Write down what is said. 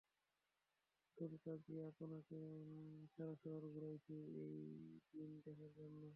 শুক্লা জী আপনাকে সারা শহর ঘুরাইছি, এই দিন দেখার জন্য?